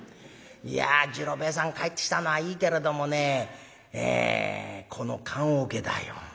「いや次郎兵衛さん帰ってきたのはいいけれどもねこの棺おけだよ。